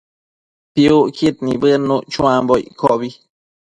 Piucquid nibëdnuc chuambo iccobi